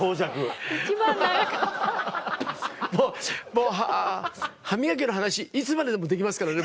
もう歯磨きの話いつまででもできますからね